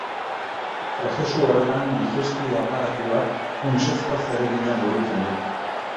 Prozesu horretan digestio aparatuak funtsezko zeregina burutzen du.